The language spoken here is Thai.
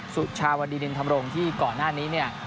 สุชาวดีรินธรรมรงค์ที่ก่อนหน้านี้เนี่ย